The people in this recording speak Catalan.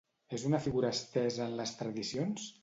És una figura estesa en les tradicions?